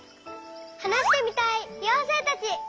はなしてみたいようせいたち！